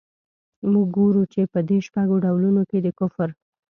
موږ ګورو چي په دې شپږو ډولونو کي د کفر.